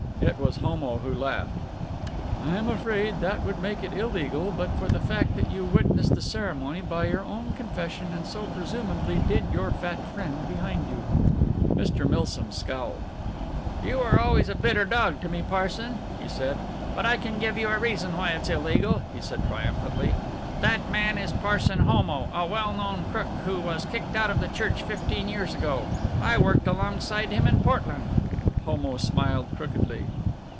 It was Homo who laughed. "I am afraid that would make it illegal but for the fact that you witnessed the ceremony by your own confession, and so presumably did your fat friend behind you." Mr. Milsom scowled. "You were always a bitter dog to me, Parson," he said, "but I can give you a reason why it's illegal," he said triumphantly. "That man is Parson Homo, a well known crook who was kicked out of the Church fifteen years ago. I worked alongside him in Portland." Homo smiled crookedly.